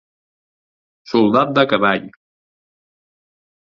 Soldat de cavall.